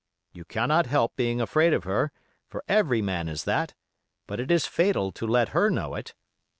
You cannot help being afraid of her, for every man is that; but it is fatal to let her know it.